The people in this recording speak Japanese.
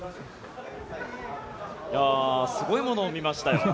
すごいものを見ましたよ。